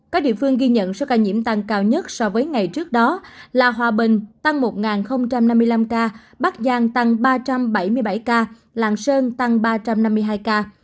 các địa phương ghi nhận số ca nhiễm tăng cao nhất so với ngày trước đó là hòa bình tăng một năm mươi năm ca bắc giang tăng ba trăm bảy mươi bảy ca lạng sơn tăng ba trăm năm mươi hai ca